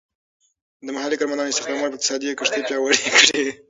د محلی کارمندانو استخدامول به د اقتصاد کښتۍ پیاوړې کړي.